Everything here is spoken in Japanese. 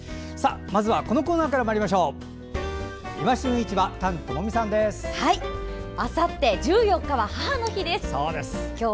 まずはこのコーナーからまいりましょう。